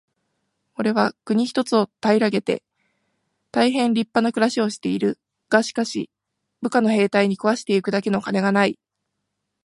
「おれは国一つを平げて大へん立派な暮しをしている。がしかし、部下の兵隊に食わして行くだけの金がない。」